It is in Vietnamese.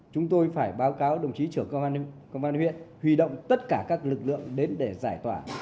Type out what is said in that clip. chúng tôi phải báo cáo đồng chí trưởng công an huyện huy động tất cả các lực lượng đến để giải tỏa